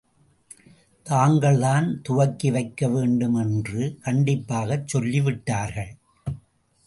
தாங்கள்தான் துவக்கி வைக்க வேண்டும் என்று கண்டிப்பாகச் சொல்லி விட்டார்கள்.